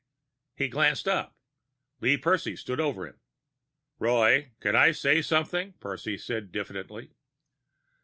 He glanced up. Lee Percy stood over him. "Roy, can I say something?" Percy said diffidently.